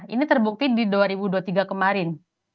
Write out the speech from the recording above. ini terbukti di dua ribu dua puluh tiga kemarin